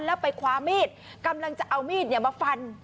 แล้วไปคว้ามีดกำลังจะเอามีดมาฟัน